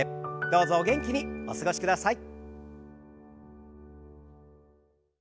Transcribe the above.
どうぞお元気にお過ごしください。